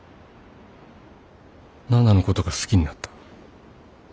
奈々のことが好きになった。